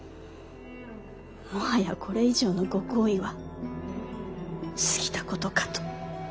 もはやこれ以上のご厚意は過ぎたことかと。